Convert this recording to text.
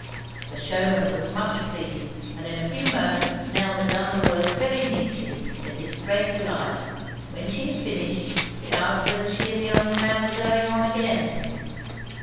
The showman was much pleased, and in a few moments Nell had done the work very neatly, to his great delight. When she had finished he asked whether she and the old man were going on again.